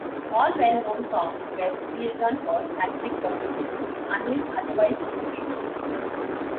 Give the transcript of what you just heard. All well known songs were rewritten for satiric purposes unless otherwise indicated.